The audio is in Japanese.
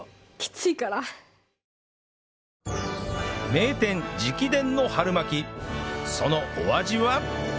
名店直伝の春巻そのお味は？